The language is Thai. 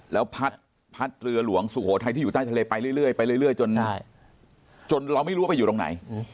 แล้วพัดเรือหลวงสุโขทัยที่อยู่ใต้ทะเลไปเรื่อยไปเรื่อยจนเราไม่รู้ว่าไปอยู่ตรงไหน